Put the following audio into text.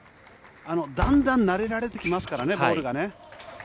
だんだん慣れられてきますからね、ボールがね。